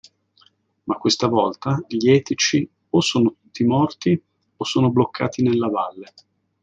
Ma questa volta gli Etici o sono tutti morti o sono bloccati nella valle.